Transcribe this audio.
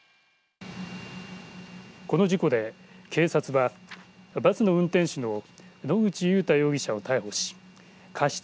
この事故で警察は、バスの運転手の野口祐太容疑者を逮捕し過失